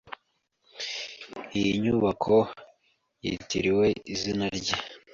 Iyi nyubako yitiriwe izina rye.